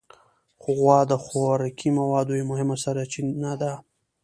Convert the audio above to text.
غوا د خوراکي موادو یو مهمه سرچینه ده.